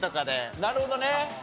なるほどねうん。